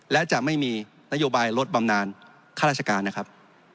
และจะไม่มีนโยบายลดบำนานข้าราชการนะครับ